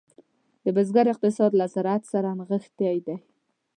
د بزګر اقتصاد له زراعت سره نغښتی دی.